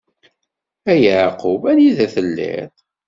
A Yeɛqub! Anida telliḍ?